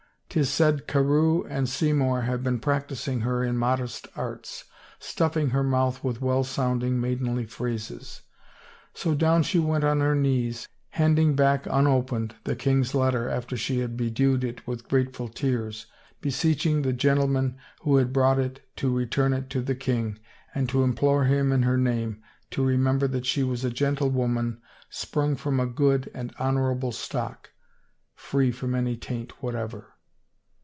... 'Tis said Carewe and Seymour have been practicing her in modest arts, stuffing her mouth with well sounding, maidenly phrases. So down she went on her knees, handing back unopened the king's letter after she had bedewed it with grateful tears, be seeching the gentleman who had brought it to return it to the king and to implore him in her name to remember that she was a gentle woman sprung from a good and honorable stock, free from any taint whatever."